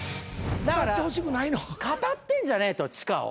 だから語ってんじゃねえと地下を。